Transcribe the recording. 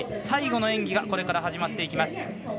最後の演技がこれから始まります。